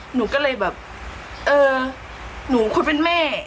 หนูก็เลยแบบเออหนูคนเป็นแม่